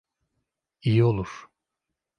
İyi olur.